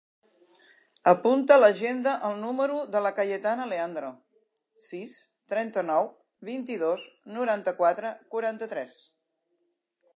Apunta a l'agenda el número de la Cayetana Leandro: sis, trenta-nou, vint-i-dos, noranta-quatre, quaranta-tres.